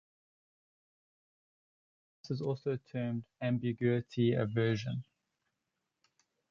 This is also termed "ambiguity aversion".